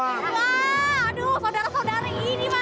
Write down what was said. aduh saudara saudara ini